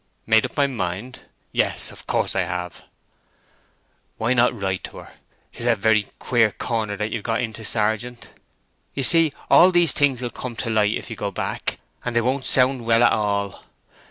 "Made up my mind? Yes; of course I have." "Why not write to her? 'Tis a very queer corner that you have got into, sergeant. You see all these things will come to light if you go back, and they won't sound well at all.